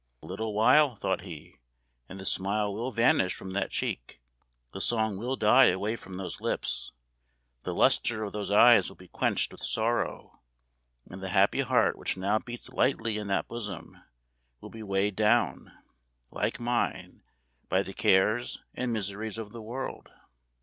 A little while, thought he, and the smile will vanish from that cheek the song will die away from those lips the lustre of those eyes will be quenched with sorrow and the happy heart which now beats lightly in that bosom, will be weighed down, like mine, by the cares and miseries of the world.